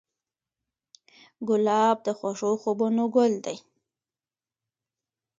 ګلاب د خوږو خوبونو ګل دی.